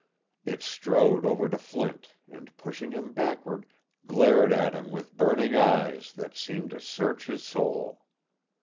It strode over to Flint and, pushing him backward, glared at him with burning eyes that seemed to search his soul.